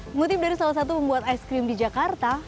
mengutip dari salah satu pembuat es krim di jakarta